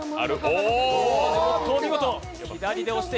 お見事。